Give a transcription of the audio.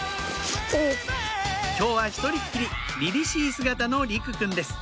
今日は一人っきりりりしい姿の莉来くんです